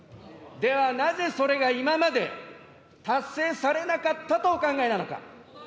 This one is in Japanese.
では、なぜそれが今まで達成されなかったとお考えなのか。